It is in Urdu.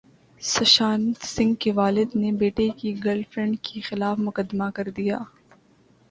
سشانت سنگھ کے والد نے بیٹے کی گرل فرینڈ کےخلاف مقدمہ کردیا